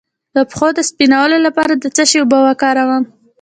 د پښو د سپینولو لپاره د څه شي اوبه وکاروم؟